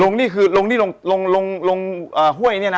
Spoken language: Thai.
ลงนี้คือลงห้วยเนี่ยนะ